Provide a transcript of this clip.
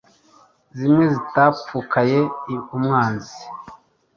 zimwe zitapfukaye umwanzi